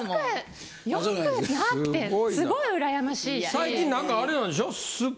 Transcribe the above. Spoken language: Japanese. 最近なんかあれなんでしょ？